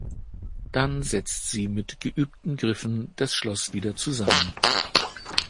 Dann setzt sie mit geübten Griffen das Schloss wieder zusammen.